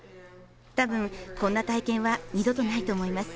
多分こんな体験は二度とないと思います。